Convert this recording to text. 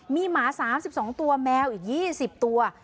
มีหมา๓๒ตัวแมวอีก๒๐ตัว